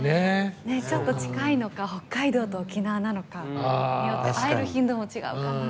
ちょっと近いのか北海道と沖縄なのかによって会える頻度も違うかな。